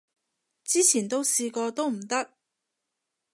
之前都試過都唔得